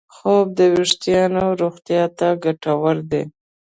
خوب د وېښتیانو روغتیا ته ګټور دی.